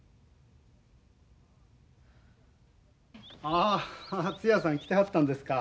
ああつやさん来てはったんですか。